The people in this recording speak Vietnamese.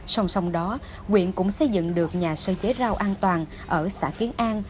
song song đó quyện cũng xây dựng được nhà sơ chế rau an toàn ở xã kiến an